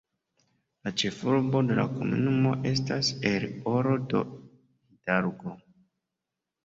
La ĉefurbo de la komunumo estas El Oro de Hidalgo.